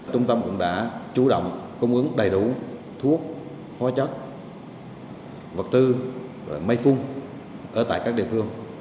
trung tâm cũng đã chủ động cung ứng đầy đủ thuốc hóa chất vật tư mây phun ở tại các địa phương